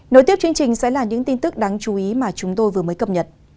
nối tiếp chương trình sẽ là những tin tức đáng chú ý mà chúng tôi vừa mới cập nhật